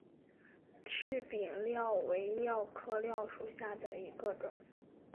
翅柄蓼为蓼科蓼属下的一个种。